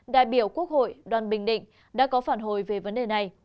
đại biểu quốc hội đoàn bình định đã có phản hồi về vấn đề này